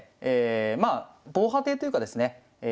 えまあ防波堤というかですね。